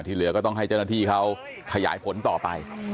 เหลือก็ต้องให้เจ้าหน้าที่เขาขยายผลต่อไป